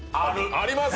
あります。